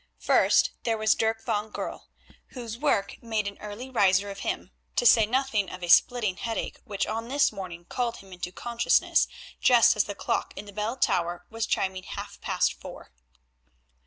First there was Dirk van Goorl, whose work made an early riser of him—to say nothing of a splitting headache which on this morning called him into consciousness just as the clock in the bell tower was chiming half past four.